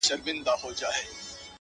خيال ويل ه مـا پــرې وپاسه؛